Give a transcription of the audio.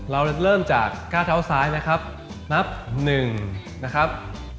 เราเริ่มจากก้าวเท้าซ้ายนะครับนับหนึ่งนะครับ